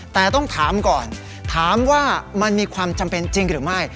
แต่ต้องถามก่อนถามว่ามันมีความจำเป็นจริงหรือไม่